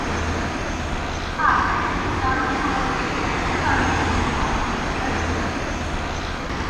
আর তুমি জানো তোমার সেই ত্যাগের কারণেই তুমি আজ এই চেয়ারে বসতে পেরেছো।